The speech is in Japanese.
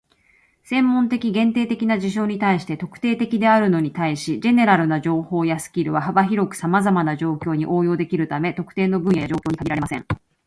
専門的、限定的な事象に対して「特定的」であるのに対し、"general" な情報やスキルは幅広くさまざまな状況に応用できるため、特定の分野や状況に限られません。